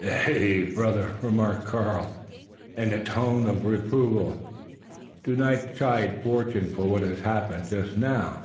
"Nay! brother," remarked Karl, in a tone of reproval; "do not chide Fortune for what has happened just now.